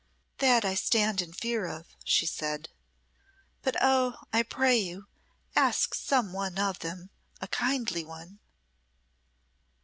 "That I stand in fear of," she said; "but, oh! I pray you, ask some one of them a kindly one."